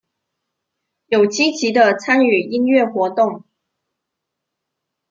有积极的参与音乐活动。